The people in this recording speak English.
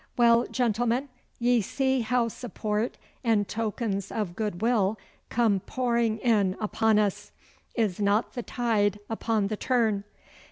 Well, gentlemen, ye see how support and tokens of goodwill come pouring in upon us. Is not the tide upon the turn?